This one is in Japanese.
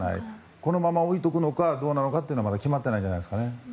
このまま置いておくのかどうなのかは決まってないんじゃないですかね。